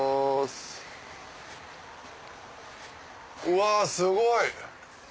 うわすごい！